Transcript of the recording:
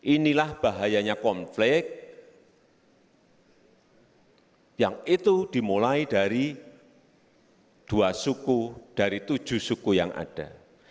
inilah bahayanya konflik yang itu dimulai dari dua suku dari tujuh suku yang ada